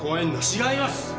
違います！